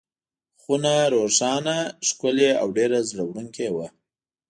خونه روښانه، ښکلې او ډېره زړه وړونکې وه.